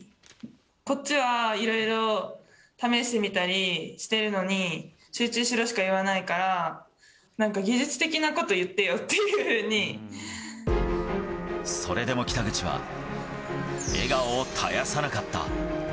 こっちは、いろいろ試してみたりしてるのに、集中しろしか言わないから、なんか技術的なこと言ってよってそれでも北口は、笑顔を絶やさなかった。